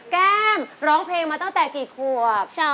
แก้มร้องเพลงมาตั้งแต่กี่ขวบ